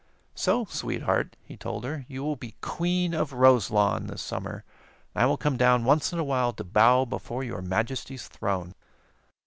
"So, Sweetheart," he told her, "you will be Queen of Roselawn this summer, and I will come down once in a while to bow before your Majesty's throne."